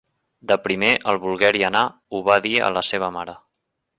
De primer, al volguer-hi anar, ho va dir a la seva mare